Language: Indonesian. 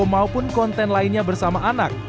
maupun konten lainnya bersama anak